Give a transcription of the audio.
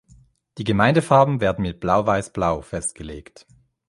Die Gemeindefarben werden mit Blau-Weiß-Blau festgelegt.